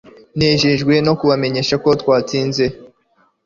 Nejejwe no kubamenyesha ko twatsinze